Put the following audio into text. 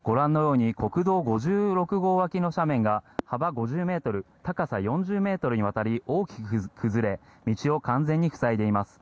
ご覧のように国道５６号脇の斜面が幅５０ｍ、高さ４０ｍにわたり大きく崩れ道を完全に塞いでいます。